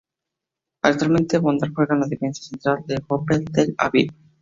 Actualmente, Bondar juega de defensa central en el Hapoel Tel Aviv.